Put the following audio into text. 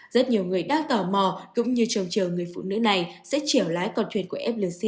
rất nhiều người đang tò mò cũng như trông chờ người phụ nữ này sẽ trèo lái con thuyền của flc